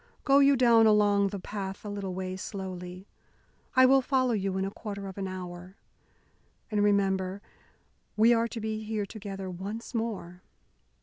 Go you down along the path a little way slowly. I will follow you in a quarter of an hour. And remember we are to be here together once more!"